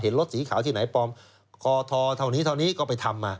รถสีขาวที่ไหนปลอมคอทอเท่านี้เท่านี้ก็ไปทำมา